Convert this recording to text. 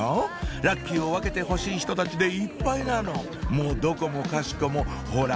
ラッキーを分けてほしい人たちでいっぱいなのもうどこもかしこもほら